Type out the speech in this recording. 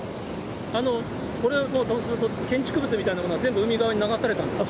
これ、建築物みたいなものは全部海側に流されたんですか？